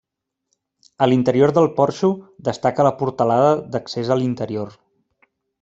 A l'interior del porxo destaca la portalada d'accés a l'interior.